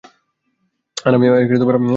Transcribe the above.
আর আমি জানি না।